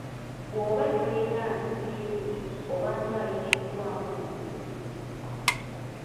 Bwoba toyina nsimbi oba ng'ayitiddwamu musisi.